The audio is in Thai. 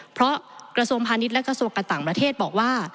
เพราะกระทรวงพาณิชย์และกระทรวงการต่างประเทศบอกว่า